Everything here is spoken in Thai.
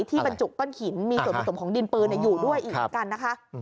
ที่บรรจุกต้นหินมีส่วนผสมของดินปืนอยู่ด้วยอีกกันนะคะ